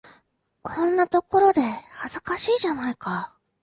こんなところで、恥ずかしいじゃないか。